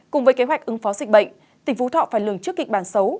cùng với kế hoạch ứng phó dịch bệnh tỉnh phú thọ phải lường trước kịch bản xấu